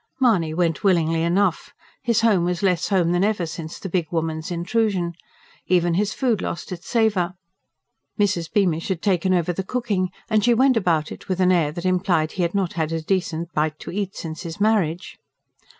Mahony went willingly enough; his home was less home than ever since the big woman's intrusion. Even his food lost its savour. Mrs. Beamish had taken over the cooking, and she went about it with an air that implied he had not had a decent bite to eat since his marriage.